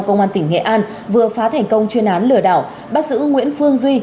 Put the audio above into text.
công an tỉnh nghệ an vừa phá thành công chuyên án lừa đảo bắt giữ nguyễn phương duy